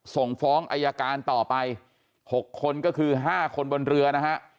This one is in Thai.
ส่งฟ้องอายการต่อไป๖คนก็คือ๕คนบนเรือนะฮะ